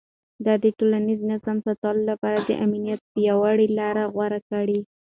ده د ټولنيز نظم ساتلو لپاره د امنيت پياوړې لارې غوره کړې.